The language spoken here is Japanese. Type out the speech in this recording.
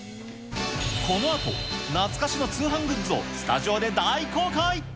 このあと、懐かしの通販グッズをスタジオで大公開。